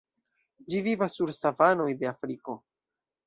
Ĝi vivas sur savanoj de Afriko.